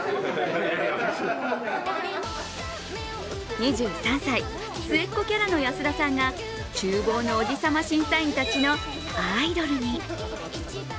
２３歳、末っ子キャラの安田さんがちゅう房のおじさま審査員たちのアイドルに。